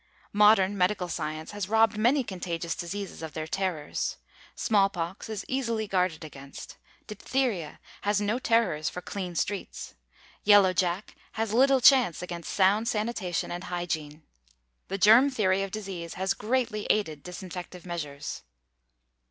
Modern medical science has robbed many contagious diseases of their terrors. Small pox is easily guarded against. Diptheria has no terrors for clean streets. Yellow Jack has little chance against sound sanitation and hygiene. The germ theory of disease has greatly aided disinfective measures.